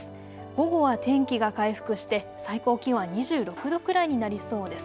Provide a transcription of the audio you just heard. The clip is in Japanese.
午後は天気が回復して最高気温は２６度くらいになりそうです。